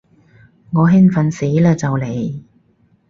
我興奮死嘞就嚟